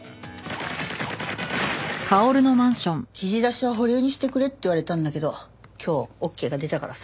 記事出しは保留にしてくれって言われたんだけど今日オッケーが出たからさ。